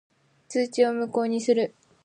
通知を無効にする。